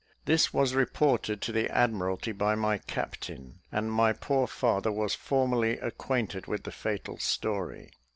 This was reported to the Admiralty by my captain, and my poor father was formally acquainted with the fatal story.